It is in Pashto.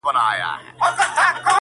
که فرقې دي که فتوې دي که فتنې دي